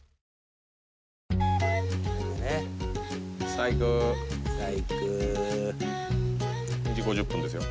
最高最高２時５０分ですよ